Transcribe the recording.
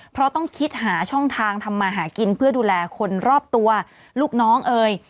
เพราะต้องคิดหาช่องทางทำมาหากินเพื่อดูแลคนรอบตัวลูกน้องเอ่ย